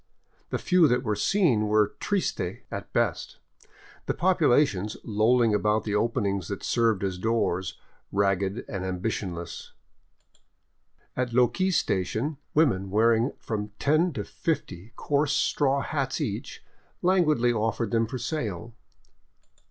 The few that were seen were triste at best, the populations, lolling about the openings that serve as doors, ragged and ambitionless. At Loque station, women wearing 604 SOUTHWARD THROUGH GUARANI LAND from ten to fifty coarse straw hats each, languidly offered them for sale.